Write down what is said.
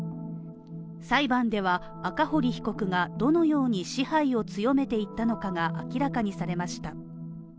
裁判では赤堀被告がどのように支配を強めていったのかが明らかにされました。